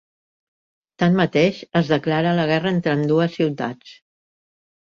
Tanmateix, es declara la guerra entre ambdues ciutats.